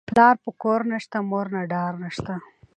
ـ پلار په کور نشته، مور نه ډار نشته.